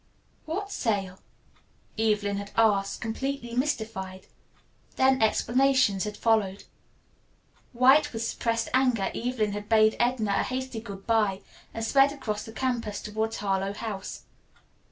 "What sale?" Evelyn had asked, completely mystified. Then explanations had followed. White with suppressed anger, Evelyn had bade Edna a hasty good bye and sped across the campus toward Harlowe House.